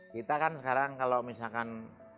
kita kan sekarang kalau misalkan